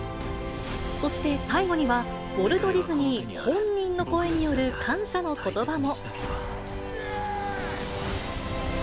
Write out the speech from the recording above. そして最後には、ウォルト・ディズニー本人の声による、感謝のことばも。